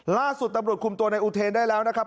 ล่าสุดตำรวจคุมตัวในอุเทนได้แล้วนะครับ